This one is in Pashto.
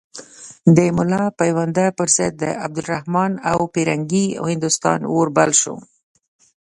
د ملا پوونده پر ضد د عبدالرحمن او فرنګي هندوستان اور بل شو.